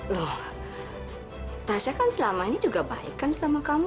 loh tasya kan selama ini juga baik kan sama kamu